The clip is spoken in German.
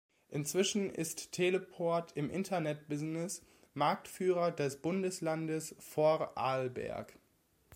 Inzwischen ist Teleport im Internet-Business Marktführer des Bundeslandes Vorarlberg.